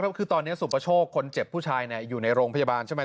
คือตอนนี้สุประโชคคนเจ็บผู้ชายอยู่ในโรงพยาบาลใช่ไหม